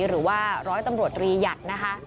หรือว่าร้อยตำรวจรีหยัดนะคะ